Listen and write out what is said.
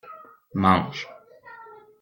Mange.